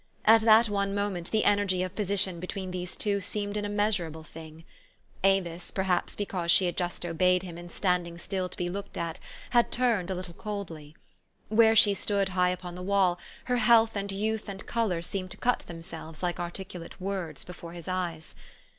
At that one moment the energy of position between these two seemed an immeasurable thing. Avis, perhaps because she had just obeyed him in standing still to be looked at, had turned a little coldly. Where she stood high upon the wall, her health and youth and color seemed to cut themselves like articu late words before his eyes.